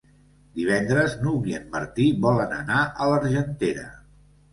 Divendres n'Hug i en Martí volen anar a l'Argentera.